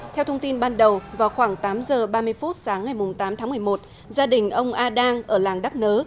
theo thông tin ban đầu vào khoảng tám giờ ba mươi phút sáng ngày tám tháng một mươi một gia đình ông a đang ở làng đắc nớ